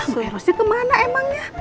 maerosnya kemana emangnya